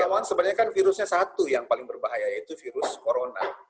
ya memang sebenarnya kan virusnya satu yang paling berbahaya yaitu virus corona